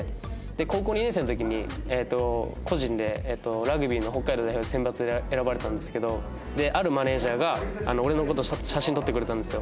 高校２年生の時に個人でラグビーの北海道代表選抜選ばれたんですけどあるマネジャーが俺の事を写真撮ってくれたんですよ。